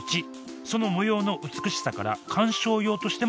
その模様の美しさから観賞用としても人気なんです。